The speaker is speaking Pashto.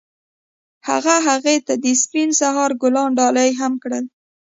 هغه هغې ته د سپین سهار ګلان ډالۍ هم کړل.